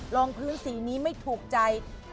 รองพื้นสีนี้ไม่ถูกใจ